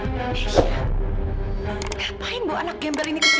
ngapain bawa anak gember ini ke sini